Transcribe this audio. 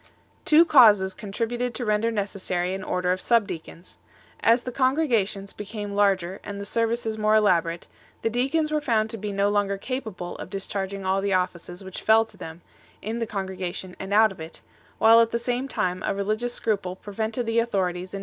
Two causes contributed to render necessary an order of Subdeacons. As the congregations became larger and the services more elaborate, the deacons were found to be no longer capable of discharging all the offices which fell to them, in the congregation and out of it; while at the same time a religious scruple prevented the authorities in many 1 Aiaraycd rtov ATTOOT.